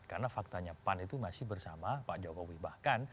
karena faktanya pan itu masih bersama pak jokowi bahkan